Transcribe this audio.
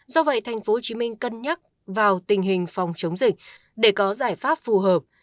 do vậy tp hcm cân nhắc vào tình hình phòng chống dịch để có giải pháp phù hợp